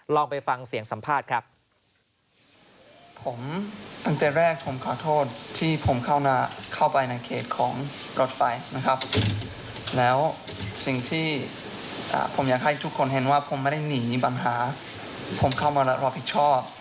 ลองไปฟังเสียงสัมภาษณ์ครับ